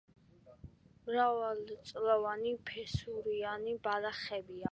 მრავალწლოვანი ფესურიანი ბალახებია.